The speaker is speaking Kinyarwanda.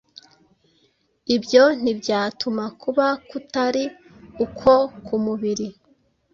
ibyo ntibyatuma kuba kutari uko ku mubiri